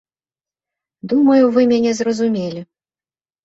Думаю, вы мяне зразумелі.